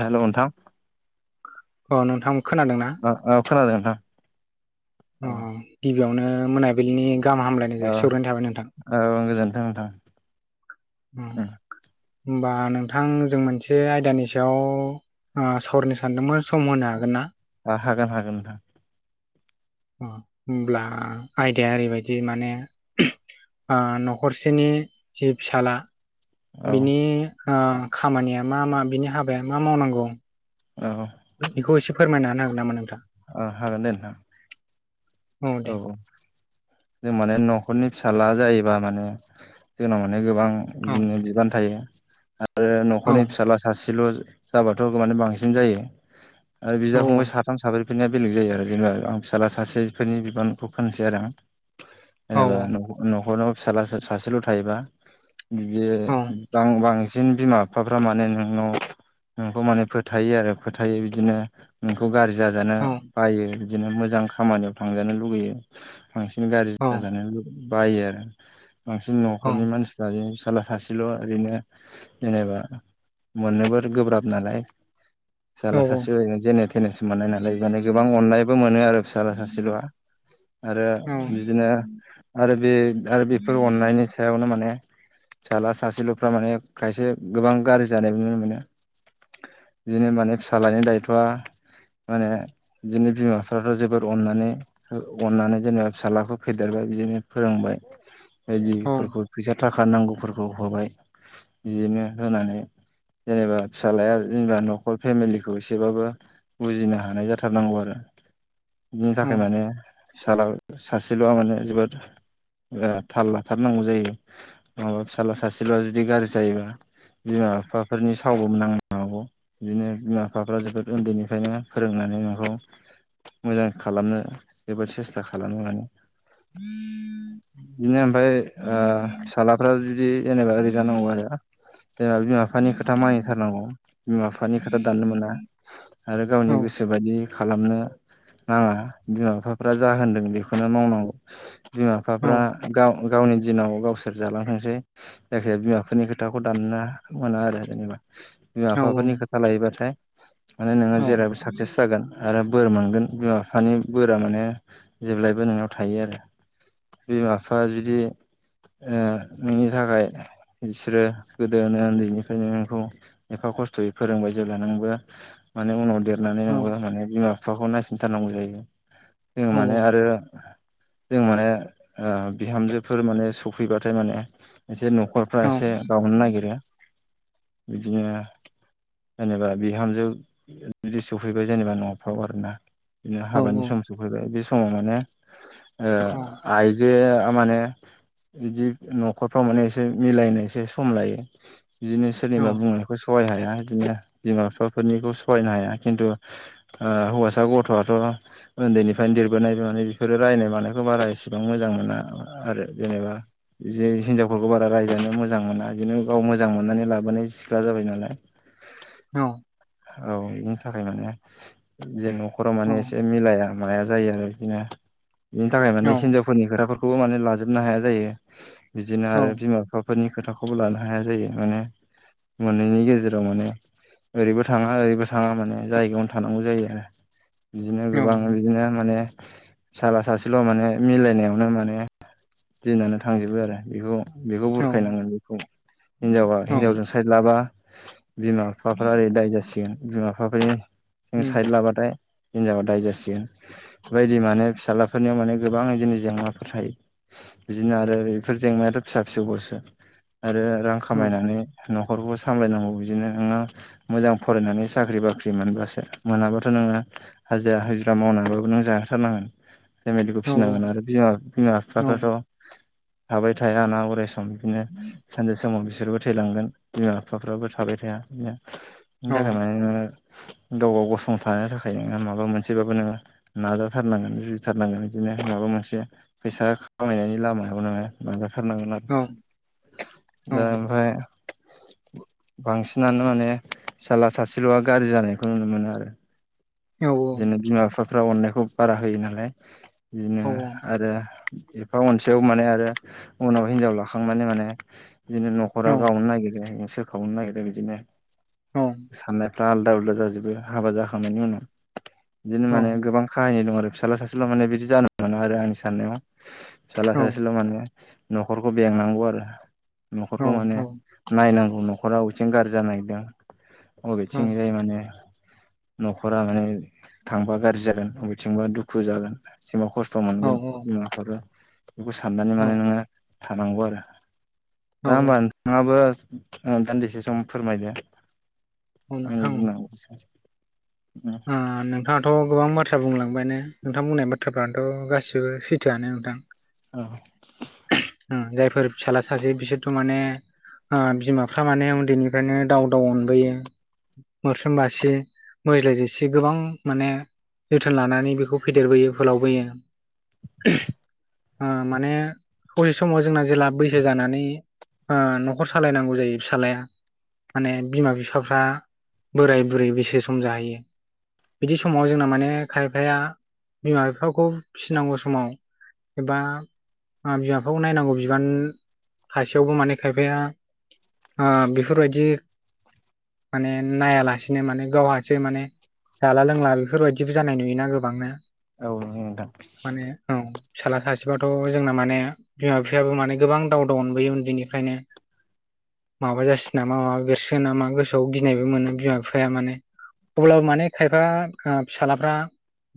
हेल' नोंथां अ नोंथां खोनादोंना? ओ औ खोनादों नोंथां? औ अह गिबियावनो मोनाबिलिनि गाहाम हामलायनाय ओ जासिहरनाय थाबाय नोंथां। औ [unintelligible] उह उम होमबा नोंथां जों मोनसे आयदानि सायाव उह सावरायनो सानदोंमोन। सम होनो हागोन ना? ओ हागोन हागोन नोंथां? होमब्ला आयदाया ओरैबायदि माने उह न'खरसेनि जि फिसाला औ बिनि उह खामानिया मा मा बिनि हाबाया मा मावनांगौ औ बेखौ एसे फोरमायना हानो हागोन नामा नोंथां औ हागोन दे नोंथां औ जों माने न'खरनि फिसाला जायोबा माने जोंनाव माने गोबां औ बिदिनो बिबान थायो आरो औ न'खरनि फिसाला सासेल' जाबाथ' माने बांसिन जायो आरो बिदा फंबाय साथाम साब्रैफोरनिया बेलेग जायो आरो जेनेबा आं फिसाला सासे बेफोरनि बिबानखौ [unintelligible] आरो आं औ जेनेबा न'ख न'खराव फिसाला सा सासेल' थायोबा बियो औ [unintelligible] बांसिन बिमा बिफाफ्रा माने नोंनाव नोंखौ माने फोथायो आरो फोथायो बिदिनो नोंखौ गाज्रि जाजानो औ बायो बिदिनो मोजां खामानियाव थांजानो लुुबैयो। बांसिन गाज्रि औ जाजानो बायो आरो बांसिन न'खरनि मानसिफ्रानो [unintelligible] सासेल' ओरैनो जेनेबा मोननोबो गोब्राब नालाय फिसाला सासे जेने थेनेसो मोननाय नालाय माने गोबां अननायबो मोनो आरो फिसाला सासेल'आ आरो बिदिनो आरो बे आरो बेफोर अननायनि सायावनो माने फिसाला सासेल'फ्रा माने खायसे गोबां गाज्रि जानायबो नुनो मोनो बिदिनो माने फिसालानि दायथ'आ माने बिदिनो बिमा बिफाफ्रा जोबोर अननानै अननानै जेनेबा फिसालाखौ फेदेरबाय बिदिनो फोरोंबाय। औ बायदिफोरखौ फैसा थाखा नांगौफोरखौ होबाय बिदिनो होनानै जेनेबा फिसालाया जेनेबा न'खर फेमिलिखौ एसेबाबो बुजिनो हानाय जाथारनांगौ आरो [inaudible] फ्राय माने फिसाला सासेल'आ माने जोबोद उह थाल लाथारनांगौ जायो माबा फिसाला सासेल'आ जुदि गाज्रि जायोबा बिमा बिफाफोरनि सावबो नांनो हागौ। बिदिनो बिमा बिफाफ्रा जोबोद उन्दैनिफ्रायनो फोरोंनानै नोंखौ मोजां। खालामनो एबा सेस्था खालामो माने [inaudible] बिदिनो ओमफ्राय उह फिसालाफ्रा जुदि जेनेबा ओरै जानांगौ आरो जेनेबा बिमा-बिफानि खोथा मानिथारनांगौ बिमा-बिफानि खोथा दाननो मोना। आरो औ गावनि गोसोबायदि खालामनो नाङा बिमा-बिफाफ्रा जा होनदों बेखौनो मावनांगौ बिमा-बिफाफ्रा गाव गावनि दिनाव गावसोर जालांथोंसै जायखिजाया बिमा-बिफानि खोथाखौ दामनो मोना आरो जेनेबा औ बिमा-बिफाफोरनि खोथा लायोबाथाय माने नोङो औ जेरावबो साकसेस जागोन आरो बोर मोनगोन बिमा-बिफानि बोरा माने जेब्लायबो नोंनाव थायो आरो बिमा-बिफाया जुदि उह नोंनि थाखाय बिसोरो गोदोनो उन्दैनिफ्रायनो नोंखौ एफा खस्थ'यै फोरोंबाय जेब्ला नोंबो माने उनाव दे रनानै औ नोंबो माने बिमा-बिफाखौ नायफिनथारनांगौ जायो औ जोङो माने आरो जों माने बिहामजोफोर माने सफैबाथाय माने एसे न'खरफ्रा औ एसे गावनो नागिरो बिदिनो जेनेबा बिहामजो बिदि सफैबाय जेनेबा न'फ्राव आरोना बिदिनो औ हाबानि सम सफैबाय बे समाव माने ओ औ आइजो थारमाने बिदि न'खरफ्राव माने एसे मिलायनो एसे सम लायो। बिदिनो औ सोरनिबा बुंनायखौ सहाय हाया हाया बिदिनो बिमा-बिफाफोरनिखौ सहायनो हाया खिन्थु ओ हौवासा गथ' थ' उन्दैनिफ्रायनो देरबोनाय बे माने बेफोरो रायनाय मानायखौ बारा एसेबां मोजां मोना आरो बे जेनेबा जे हिनजावफोरखौ बारा रायजानो मोजां मोना बिदिनो गाव मोजां मोननानै लाबोनाय सिख्ला जाबाय नालाय औ औ बेनि थाखाय माने जे न'खराव माने उम एसे मिलाया माया जायो आरो बिदिनो बिनि थाखाय औ माने हिनजावफोरनि खोथाफोर खौबो माने लाजोबनो हाया जायो बिदिनो आरो बिमा-बिफाफोरनि खोथाखौबो लानो हाया जायो माने मोननैनि गेजेराव माने ओरैबो थाङा ओरैबो थाङा माने जायगायावनो थानांगौ जायो आरो बिदिनो गोबां बिदिनो माने फिसाला सासेल' माने मिलायनायावनो माने दिनानो थांजोबो आरो बेखौ बेखौ बुरखायनांगोन बेखौ हिनजावा हिनजावजों साइद लाबा बिमा-बिफाफ्रा ओरै दाय जासिगोन बिमा बिफाफोरनि साइड लाबाथाय हिनजावा दाय जासिगोन बेबायदि माने फिसाज्लाफोरनियाव माने गोबां बिदिनो जेंनाफोर थायो। बिदिनो आरो बेफोर जेंनायाथ' फिसा-फिसौ बावसो आरो रां खामायनानै न' खरखौ सामलायनांगौ बिदिनो नोङो मोजां फरायनानै साख्रि-बाख्रि मोनब्लासो मोनाबाथ' नोङो हाजिरा हुजिरा मावनानैबाबो नों जाहोथारनांगोन फेमिलिखौ फिसिनांगोन आरो बिमा औ बिमा-बिफाफ्राथ' थाबाय थाया ना अराय सम बिदिनो सानसे समाव बिसोरबो थैलांगोन बिमा-बिफाफ्राबो थाबाय थाया बिदिनो बेनि थाखाय नोङो गाव गाव गसंथानो थाखाय नोंङना माबा माबा मोनसेबाबो नोङो नाजाथारनांगोन जुजिथारनांगोन बिदिनो माबा मोनसे फैसा खामायनायनि लायायाव नोङो नाजाथारनगोन ओ ओफाय [unintelligible] बांसिनानो माने फिसाला सासेल'आ गाज्रि जानायखौ नुनो मोनो आरो बिदिनो बिमा-बिफाफ्रा अननायखौ बारा होयो नालाय बिदिनो आरो एफा अनसेयावबो माने आरो उनाव हिनजाव लाखांनानै माने बिदिनो न'खराव गावनो नागिरो सोखावनो नागिरो बिदिनो साननाय फ्रा आलदा-उलदा जाजोबो हाबा जाखांनायनि उनाव बिदिनो माने गोबां खाहानि दं आरो फिसाला सासेल' माने बिदि जानो मोना आरो आंनि साननायाव फिसाला सासेल' माने न'खरखौ बेंनांगौ आरो न'खरखौ माने नायनां गौ न'खरा बबेथिं गाज्रि जानो नागिरदों बबेथिंजाय माने न'खरा माने थांबा गाज्रि जागोन बबेथिंबा दुखु जागोन एबा खस्थ' मोनगोन बिमाफ्राबो बेखौ साननानै माने औ नोङो थानांगौ आरो दा होमबा नोंथाङाबो दान्दिसे सम फोरमायदो आंनि नोंथां ओ बुंनागौआ एसेयावनो नोंथाङाथ' गोबां बाथ्रा बुंलांबायानो नोंथां बुंनाय बाथ्राफ्रानोथ' गासिबो सैथोआनो नोंथां औ जायफोर फिसाला सासे बिसोरथ' माने बिमाफ्रा माने उन्दैनिफ्रायनो दाउ दाउ अनबोयो मोस्रोम बासि मोज्लाय जोसि गोबां माने जोथोन लानानै बेखौ फेदेरबोयो फोलावबोयो माने ससे समाव जोंना जेला बैसो जानानै ओ न'खर सालायनांगौ जायो फिसाज्लाया माने बिमा बिफाफ्रा बोराय बुरै बैसो सम जाहैयो बिदि समाव जोंना माने खायफाया बिमा बिफाखौ फिसिनांगौ समाव एबा बिमा बिफाखौ नायनांगौ बिबान थासेयावबो माने खायफाया बेफोरबायदि माने नायालासिनो माने गावहासो माने जाला लोंला बेफोरबायदिबो जानाय नुयोना गोबांनो औ नोंथां फिसााज्ला सासेबाथ' जोंना माने बिमा बिफायाबो माने गोबां दावदाव अनबोयो उन्दैनिफ्रायनो माबा जासिगोन नामा माबा बेरसिगोन नामा गोसोआव गिनायबो मोनो बिमा बिफाया माने अब्लाबो माने खायफा फिसालाफ्रा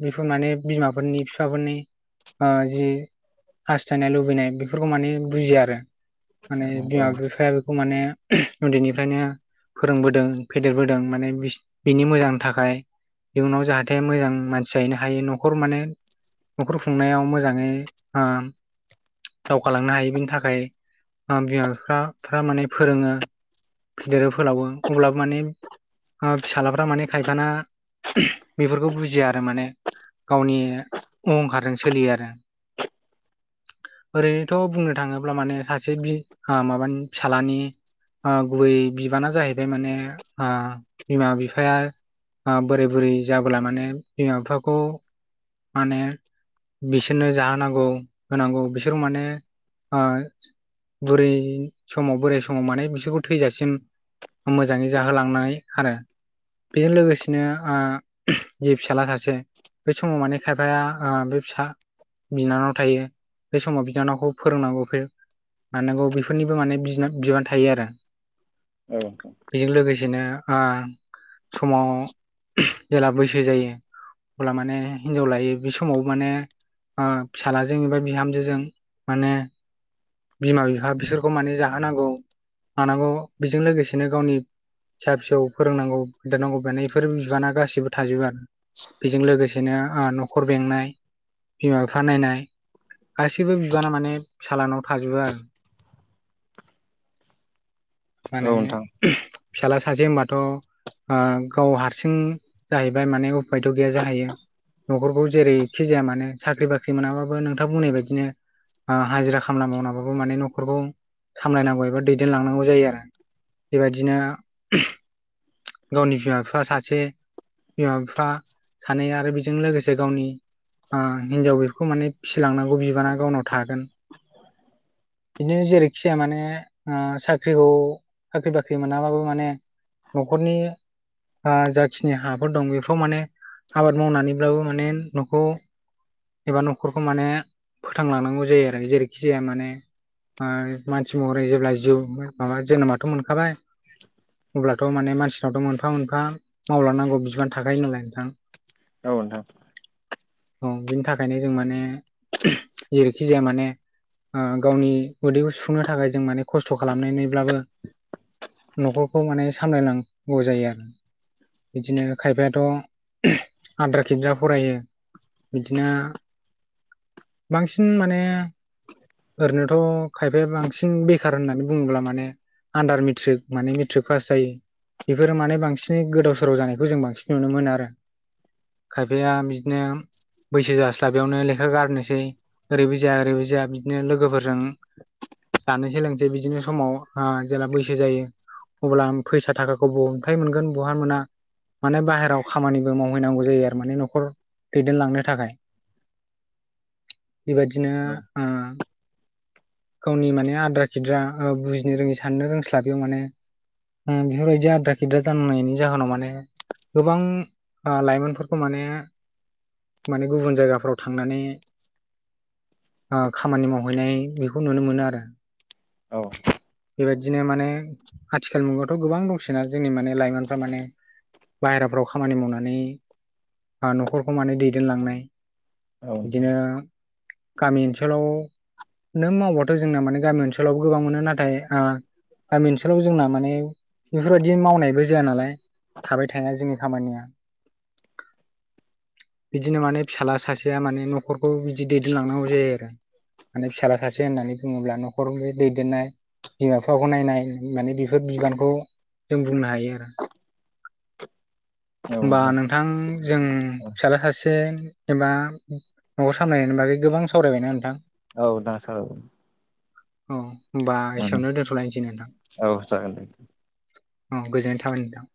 बेफोर माने बिमाफोरनि बिफाफोरनि ओ जि हास्थायनाय लुबैनाय बेफोरखौ माने बुजिया आरो माने औ बिमा बिफाया बेखौ माने उन्दैनिफ्रायनो फोरोंबोदों फेदेरबोदों माने बिनि मोजांनि थाखाय इयुनाव जाहाथे मोजां मानसि जाहैनो हायो न'खर माने न'खर खुंनायाव मोजाङै ओ दावगालांनो हायो बेनि थाखाय बिमा बिफाफ्रा माने फोरोङो फेदेरो फोलावो अब्लाबो माने फिसालाफ्रा माने खायफाना बेफोरखौ बुजिया आरो माने गावनि अहंखारजों सोलियो आरो ओरैनोथ' बुंनो थाङोब्ला माने सासे बि ओ माबानि फिसालानि ओ गुबै बिबाना जाहैबाय माने बिमा बिफाया बोरै बुरै जाबोला माने बिमा बिफाखौ माने बिसोरनो जाहोनांगौ होनांगौ बिसोर माने ओ बुरै समाव बोराय समाव माने बिसोरखौ थैजासिम मोजाङै जाहोलांनाय आरो बेजों लोगोसेनो ओ जे फिसाज्ला सासे बे समाव माने खायफाया ओ बे फिसा बिनानाव थायो बे समाव बिनानावखौ फोरोंनांगौफोर मानांगौ बेफोरनिबो माने बिबान थायो आरो औ बेजों लोगोसेनो आ समाव जेला बैसो जायो अब्ला माने हिनजाव लायो बे समाव माने आ फिसाजलाजों एबा बिहामजोजों माने बिमा बिफा बिसोरखौ माने जाहोनांगौ मानांगौ बेजों लोगोसेनो गावनि फिसा फिसौ फोरोंनांगौ देरनांगौ बेनि बेफोर बिबाना गाससिबो थाजोबो आरो बेजों लोगोसेनो न'खर बेंनाय बिमा बिफा नायनाय गासैबो बिबाना माने फिसालानाव थाजोबो आरो औ माने नोंथां फिसाज्ला सासे होनबाथ' गाव हारसिं जाहैबाय माने उफायथ गैया जाहैयो न'खरखौ जेरैखि जाया मानो साख्रि बाख्रि मोनाबाबो नोंथां बुंनाय बायदिनो आ हाजिरा खामला मावनाबाबो माने न'खरखौ सामलायनांगौ एबा दैदेनलांनांगौ जायो आरो बेबायदिनो गावनि बिमा बिफा सासे बिमा बिफा सानै आरो बेजों लोगोसे गावनि हिनजाव बेफोरखौ माने फिसिलांनांगौ बिबाना गावनाव थागोन बिदिनो जेरैखि जाया माने साख्रिखौ साख्रि बाख्रि मोनाबाबो माने न'खरनि ओ जाखिनि हाफोर दं बेफोराव माने आबाद मावनानैब्लाबो माने न'खौ एबा न'खरखौ माने फोथांलांनांगौ जायो आरो जेरैखि जाया माने ओ मानसि महरै जेब्ला जिउ माबा जोनोमाथ' मोनखाबाय। अब्लाथ' माने मानसिनावथ' मोनफा मोनफा मावलांनांगौ बिबान थाखायो नालाय नोंथां औ नोंथां औ बिनि थाखायनो जों माने जेरैखि जाया माने ओ गावनि उदैखौ सुफुंनो थाखाय जों माने खस्थ' खालामनानैब्लाबो न'खरखौ माने सामलायनांगौ जायो आरो बिदिनो खायफायाथ' आद्रा खिद्रा फरायो बिदि बिदिनो बांसिन माने ओरैनोथ' खायफाया बांसिन बेखार होननानै बुङोब्ला माने आन्दार मेट्रिक माने मेट्रिक पास जायै बेफोरो माने बांसिनै गोदाव सोराव जानायखौ जों बांसिन नुनो मोनो आरो खायफाया बिदिनो बैसो जास्लाबैयावनो लेखा गारनोसै ओरैबो जाया ओरैबो जाया बिदिनो लोगोफोरजों जानोसै लोंनोसै बिदिनो समाव ओ जेला बैसो जायो। अब्ला फैसा थाखाखौ बनिफ्राय मोनगोन बहा मोना। माने बाहेरायाव खामानिबो मावहैनांगौ जायो आरो माने न'खर दैदेनलांनो थाखाय बेबायदिनो औ ओ गावनि माने आद्रा खिद्रा बुजिनो रोङि साननो रोंस्ला बैयाव माने ओ बेफोरबायदि आद्रा खिद्रा जानांनायनि जाहोनाव माने गोबां लाइमोनफोरखौ माने माने गुबुन जायगाफोराव थांनानै खामानि मावहैनाय बेखौ नुनो मोनो आरो औ बेबायदिनो माने आथिखाल मुगायावथ' गोबां दंसैना जोंनि माने लाइमोनफ्रा माने बाहेराफ्राव खामानि मावनानै न'खरखौ माने दैदेनलांनाय नोंथां बिदिनो गामि ओनसोलाव नों मावबाथ' जोंना माने गामि ओनसोलावबो गोबां मोनो नाथाय ओ गामि ओनसोलाव जोंना माने बेफोरबायाददि मावनायबो जाया नालाय थाबाय थाया जोंनि खामानिया बिदिनो माने फिसाज्ला सासेया माने न'खरखौ बिदि दैदेनलांनांगौ जायो आरो माने फिसाला सासे होननानै बुङोब्ला न'खरखौ बे दैदेननाय बिमा बिफाखौ नायनाय माने बेफोर बिबानखौ जों बुंनो हायो आरो होनबा नोंथां जों फिसाज्ला सासे एबा न'खर सामलायनायनि बागै गोबां सावरायबायना नोंथां औ दासो औ होमबा एसेयावनो दोनथ'लायनोसै नोंथां जागोन दे औ गोजोननाय थाबाय नोंथां